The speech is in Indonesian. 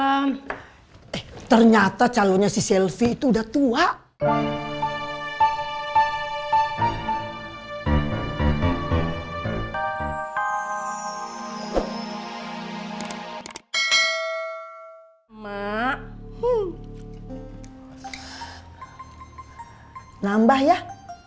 airnya udah dimasak bukan air mentah